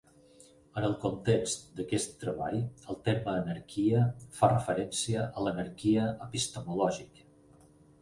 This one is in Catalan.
En el context d'aquest treball, el terme anarquia fa referència a l'anarquia epistemològica.